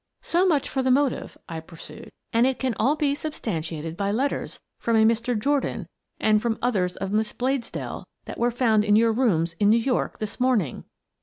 " So much for the motive," I pursued. " And it can all be substantiated by letters from a Mr. Jordan and from others of Miss Bladesdell that were found in your rooms in New York this morning."